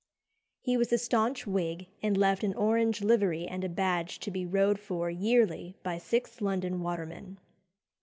He was a staunch Whig, and left an orange livery and a badge to be rowed for yearly by six London watermen.